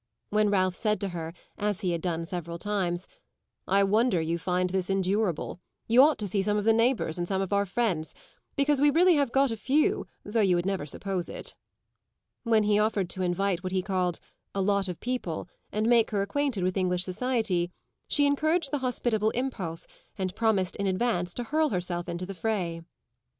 When Ralph said to her, as he had done several times, "I wonder you find this endurable; you ought to see some of the neighbours and some of our friends, because we have really got a few, though you would never suppose it" when he offered to invite what he called a "lot of people" and make her acquainted with English society, she encouraged the hospitable impulse and promised in advance to hurl herself into the fray.